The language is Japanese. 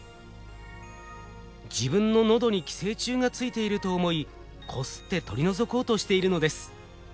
自分の喉に寄生虫がついていると思いこすって取り除こうとしているのです。